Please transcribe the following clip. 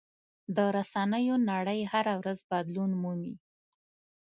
د رسنیو نړۍ هره ورځ بدلون مومي.